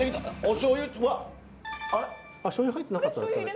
しょうゆ入ってなかったですかね？